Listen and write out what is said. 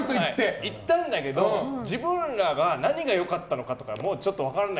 いったんだけど自分らが何が良かったのかはちょっとよく分からない。